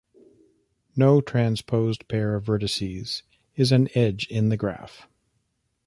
No transposed pair of vertices is an edge in the graph.